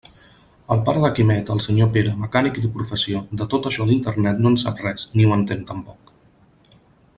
El pare de Quimet, el senyor Pere, mecànic de professió, de tot això d'Internet no en sap res, ni ho entén tampoc.